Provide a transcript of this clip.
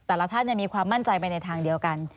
แต่ละท่านมีความมั่นใจไปในทางเดียวกัน